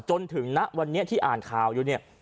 จนถึงณวันนี้ที่อ่านข่าวอยู่เนี่ย